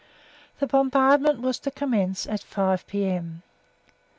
The bombardment was to commence at 5 p.m.